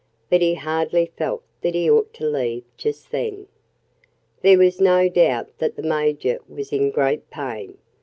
But he hardly felt that he ought to leave just then. There was no doubt that the Major was in great pain.